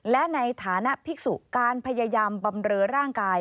และในฐานะภิกษุการพยายามบำเรอร่างกาย